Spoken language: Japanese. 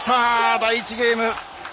第１ゲーム。